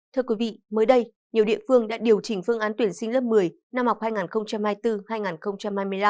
thưa quý vị mới đây nhiều địa phương đã điều chỉnh phương án tuyển sinh lớp một mươi năm học hai nghìn hai mươi bốn hai nghìn hai mươi năm